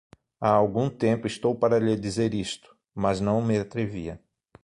Há algum tempo estou para lhe dizer isto, mas não me atrevia.